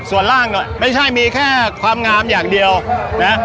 ส่วนล่างเนี่ยไม่ใช่มีแค่ความงามอย่างเดียวนะ